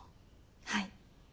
はい。